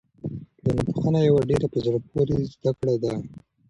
ټولنپوهنه یوه ډېره په زړه پورې زده کړه ده.